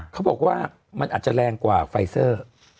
เขาบอกว่ามันอาจจะแรงกว่าไฟเซอร์